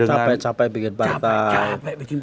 capek capek bikin partai